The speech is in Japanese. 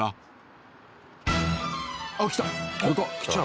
あっ来た。